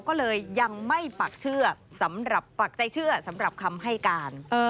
ก็เลยยังไม่ปักเชื่อสำหรับปักใจเชื่อสำหรับคำให้การ